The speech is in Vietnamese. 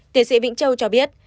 tiến sĩ vĩnh châu cho biết